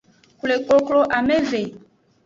Xwle koklo ameve.